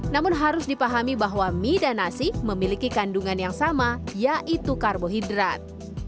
namun harus dipahami bahwa mie dan nasi memiliki kandungan yang sama yaitu karbohidrat